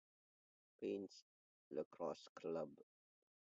Paints Lacrosse Club.